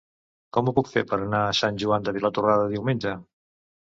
Com ho puc fer per anar a Sant Joan de Vilatorrada diumenge?